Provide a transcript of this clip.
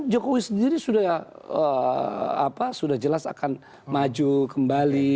jokowi sendiri sudah jelas akan maju kembali